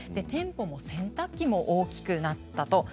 店舗も洗濯機も大きくなったと。